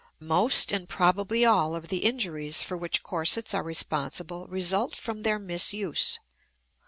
Most, and probably all, of the injuries for which corsets are responsible result from their misuse.